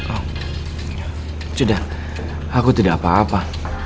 oh ya sudah aku tidak apa apa